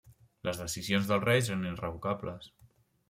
Les decisions dels reis eren irrevocables.